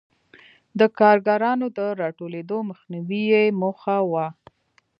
د کارګرانو د راټولېدو مخنیوی یې موخه و.